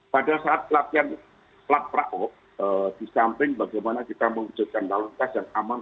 pada saat pelatihan pelat praok di samping bagaimana kita mengejutkan lalu kasar aman